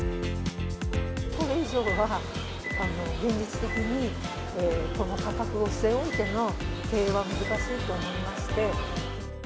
これ以上は現実的に、この価格を据え置いての経営は難しいと思いまして。